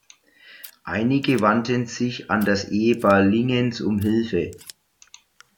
Einige wandten sich an das Ehepaar Lingens um Hilfe.